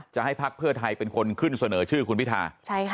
ให้พักเพื่อไทยเป็นคนขึ้นเสนอชื่อคุณพิธา